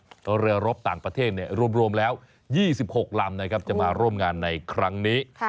เพราะเรือรบต่างประเทศรวมแล้ว๒๖ลำจะมาร่วมงานในครั้งนี้